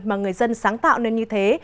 mà người dân sáng tạo nên như thế